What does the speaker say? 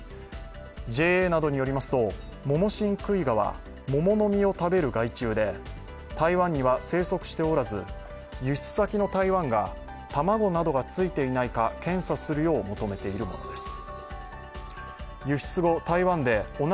ＪＡなどによりますとモモシンクイガは桃の実を食べる害虫で台湾には生息しておらず、輸出先の台湾が卵などがついていないか検査するよう求めているものです。